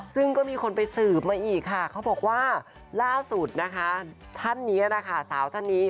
ซึ่งก็มีคนไปสืบมาอีกค่ะเขาบอกว่าล่าสุดนะคะท่านนี้นะคะสาวท่านนี้